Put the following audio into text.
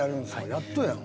やっとやん。